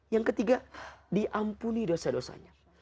yang ketiga diampuni dosa dosanya